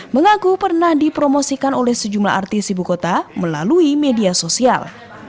mengaku pernah dipromosikan oleh sejumlah artis ibu kota melalui media sosial